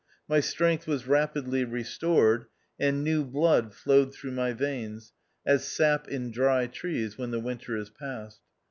My strength was rapidly restored, and new blood flowed through my veins, as sap in dry trees when the winter is past.